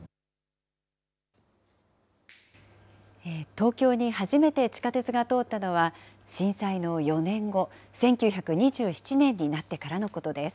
東京に初めて地下鉄が通ったのは、震災の４年後、１９２７年になってからのことです。